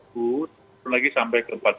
turun lagi sampai ke empat ribu saat ini